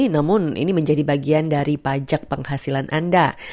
namun ini menjadi bagian dari pajak penghasilan anda